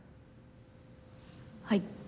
はい。